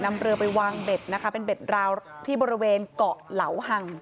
นำเรือไปวางเบ็ดนะคะเป็นเบ็ดราวที่บริเวณเกาะเหลาหัง